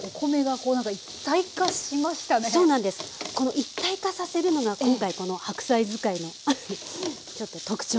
この一体化させるのが今回この白菜使いのちょっと特徴。